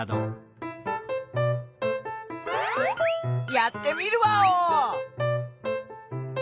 やってみるワオ！